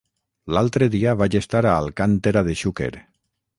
L'altre dia vaig estar a Alcàntera de Xúquer.